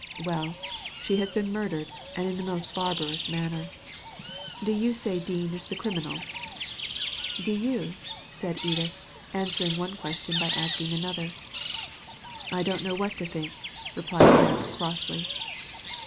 Well, she has been murdered, and in the most barbarous manner. Do you say Dean is the criminal ?" "Do you?" said Edith, answering one by asking another. "I don't know what to think," replies crossly.